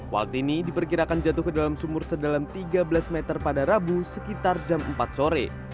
waltini diperkirakan jatuh ke dalam sumur sedalam tiga belas meter pada rabu sekitar jam empat sore